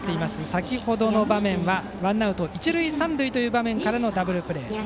先程の場面はワンアウト一塁三塁という場面からのダブルプレー。